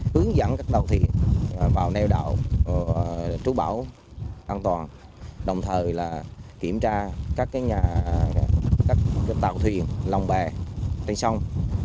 hướng dẫn các tàu thuyền vào nêu đạo trú bão an toàn đồng thời kiểm tra các tàu thuyền lồng bè trên sông